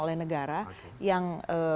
oleh negara yang